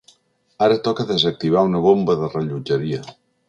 Ara toca desactivar una bomba de rellotgeria.